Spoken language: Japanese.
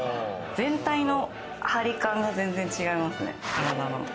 全体の張り感が全然違いますね、体の。